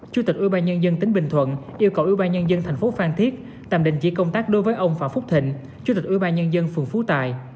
chủ tịch ủy ban nhân dân tỉnh bình thuận yêu cầu ủy ban nhân dân tp phan thiết tạm đình chỉ công tác đối với ông phạm phúc thịnh chủ tịch ủy ban nhân dân phường phú tài